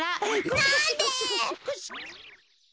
なんで？